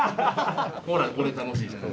ほらこれ楽しいじゃない？